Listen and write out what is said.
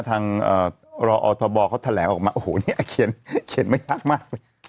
รออทบเขาแถลงออกมาโอ้โหเนี่ยเขียนไม่ยากมาก